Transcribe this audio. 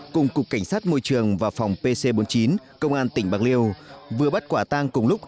cùng cục cảnh sát môi trường và phòng pc bốn mươi chín công an tỉnh bạc liêu vừa bắt quả tang cùng lúc